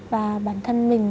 và bản thân mình